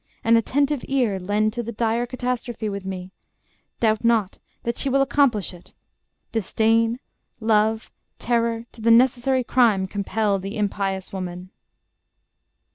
An attentive ear Lend to the dire catastrophe with me; Doubt not she will accomplish it: disdain, Love, terror, to the necessary crime Compel the impious woman.